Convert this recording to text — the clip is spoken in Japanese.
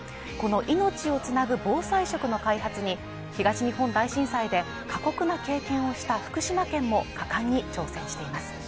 この命をつなぐ防災食の開発に東日本大震災で過酷な経験をした福島県も果敢に挑戦しています